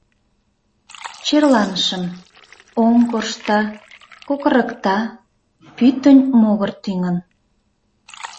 Черланышым: оҥ коршта, кокырыкта, пӱтынь могыр тӱҥын.